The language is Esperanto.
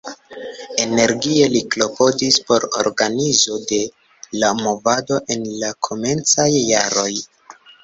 Energie li klopodis por organizo de la movado en la komencaj jaroj.